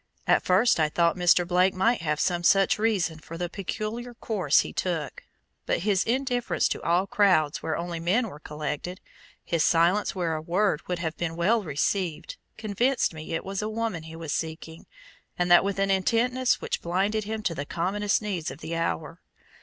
At first I thought Mr. Blake might have some such reason for the peculiar course he took. But his indifference to all crowds where only men were collected, his silence where a word would have been well received, convinced me it was a woman he was seeking and that with an intentness which blinded him to the commonest needs of the hour.